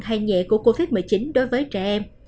hay nhẹ của covid một mươi chín đối với trẻ em